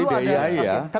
kecuali diy ya